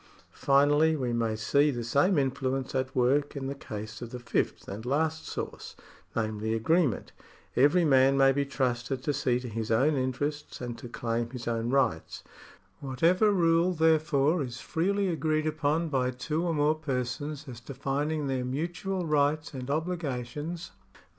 Finally we may see the same influence at work in the case of the fifth and last source, namely agreement. Every man may be trusted to see to his own interests and to claim his own rights. What ever rule, therefore, is freely agreed upon by two or more persons as defining their mutual rights and obligations may be ID.